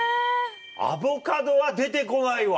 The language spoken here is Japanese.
アボカドは出て来ないわ。